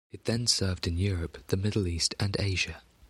It then served in Europe, the Middle East and Asia.